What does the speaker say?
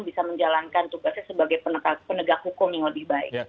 bisa menjalankan tugasnya sebagai penegak hukum yang lebih baik